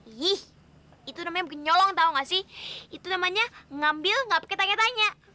ih itu namanya bikin nyolong tau gak sih itu namanya ngambil nggak pakai tanya tanya